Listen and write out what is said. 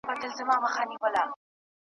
موري که موړ یمه که وږی وړم درانه بارونه .